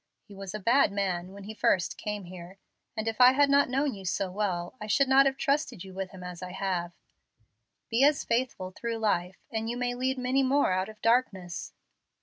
He was a bad man when he first came here, and if I had not known you so well, I should not have trusted you with him as I have. Be as faithful through life, and you may lead many more out of darkness."